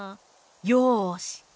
よし！